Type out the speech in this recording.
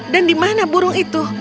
dan di mana burung itu